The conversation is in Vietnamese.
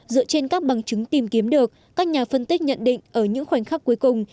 dựa trên các bằng chứng tìm kiếm được các nhà phân tích nhận định ở những khoảnh khắc cuối cùng